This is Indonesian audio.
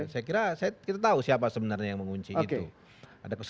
saya kira kita tahu siapa sebenarnya yang mengunci itu